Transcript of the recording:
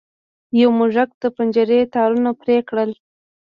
یو موږک د پنجرې تارونه پرې کړل.